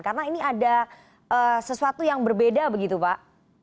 karena ini ada sesuatu yang berbeda begitu pak